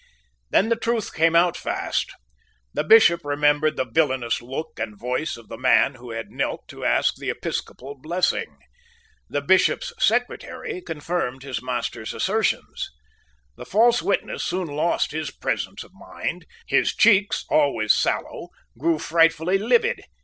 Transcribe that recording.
Then the truth came out fast. The Bishop remembered the villanous look and voice of the man who had knelt to ask the episcopal blessing. The Bishop's secretary confirmed his master's assertions. The false witness soon lost his presence of mind. His cheeks, always sallow, grew frightfully livid.